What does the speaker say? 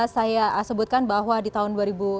saya sebutkan bahwa di tahun dua ribu dua puluh